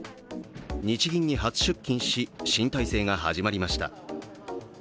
日銀に初出勤し、新体制が始まりました。